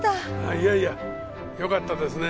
いやいやよかったですね。